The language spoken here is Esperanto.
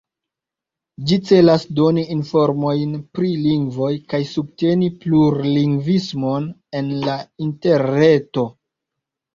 Ĝi celas doni informojn pri lingvoj kaj subteni plurlingvismon en la Interreto.